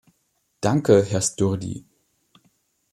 Danke, Herr Sturdy.